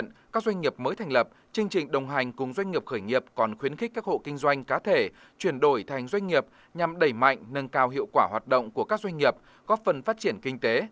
trước đó phần lớn hộ kinh doanh cũng đã truyền đổi thành doanh nghiệp nhằm đẩy mạnh nâng cao hiệu quả hoạt động của các doanh nghiệp góp phần phát triển kinh tế